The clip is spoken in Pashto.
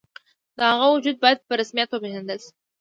د هغه وجود باید په رسمیت وپېژندل شي.